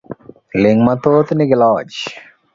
Ling' mathoth nigi loch .